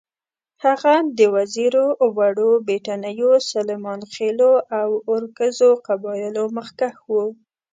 هغه د وزیرو، وړو بېټنیو، سلیمانخېلو او اورکزو قبایلو مخکښ وو.